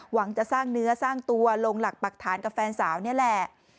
หวังจะสร้างเนื้อสร้างตัวลงหลักปรักฐานกับแฟนสาวนี่แหละ